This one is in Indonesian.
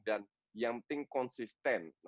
dan yang penting konsisten